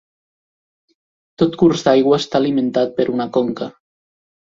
Tot curs d'aigua està alimentat per una conca.